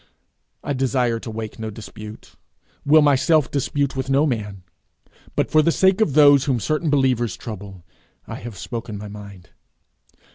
I desire to wake no dispute, will myself dispute with no man, but for the sake of those whom certain believers trouble, I have spoken my mind.